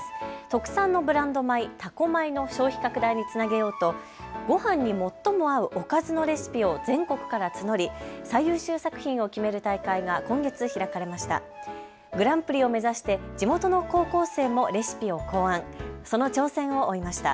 特産のブランド米、多古米の消費拡大につなげようとごはんに最も合うおかずのレシピを全国から募り最優秀作品を決める大会が今月開かれました。